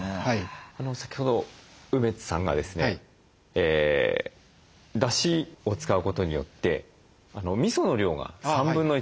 先ほど梅津さんがですねだしを使うことによってみその量が1/3になる。